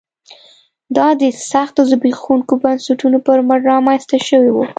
دا د سختو زبېښونکو بنسټونو پر مټ رامنځته شوی و